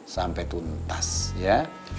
sampai tuntas ya